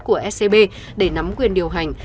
của scb để nắm quyền điều hành